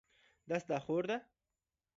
دا ستا خور ده؟